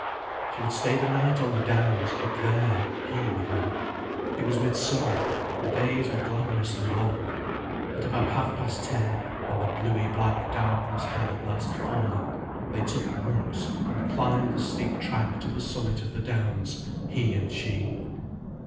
She would stay the night on the downs, up there, he with her. It was midsummer, the days were glamorously long. At about half past ten, when the bluey black darkness had at last fallen, they took rugs and climbed the steep track to the summit of the downs, he and she.